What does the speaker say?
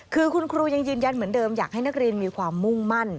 คือคุณครูยังยืนยันเหมือนเดิมอยากให้นักเรียนมีความมุ่งมั่น